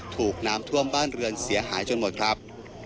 ถูกน้ำท่วมบ้านเรือนเสียหายจนหมดครับ